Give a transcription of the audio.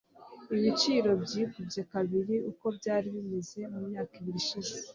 Ibiciro byikubye kabiri uko byari bimeze mumyaka ibiri ishize.